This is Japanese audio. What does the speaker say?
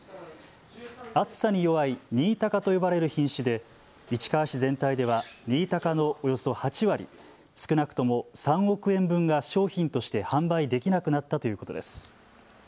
暑さに弱い新高と呼ばれる品種で市川市全体では新高のおよそ８割、少なくとも３億円分が商品として販売できなくなったということです。